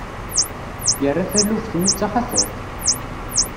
Yerra taluft-nni d taxatart.